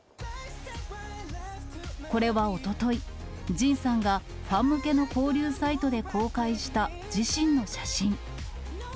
これはおととい、ＪＩＮさんがファン向けの交流サイトで公開した自身の写真。